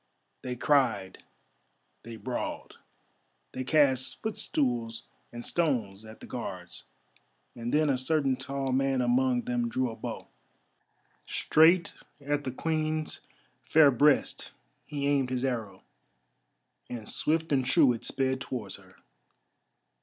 They cried, they brawled, they cast footstools and stones at the Guards, and then a certain tall man among them drew a bow. Straight at the Queen's fair breast he aimed his arrow, and swift and true it sped towards her.